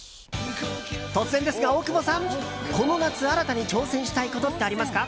突然ですが、大久保さんこの夏、新たに挑戦したいことってありますか？